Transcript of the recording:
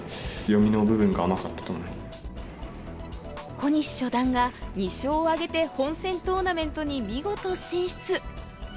小西初段が２勝を挙げて本戦トーナメントに見事進出。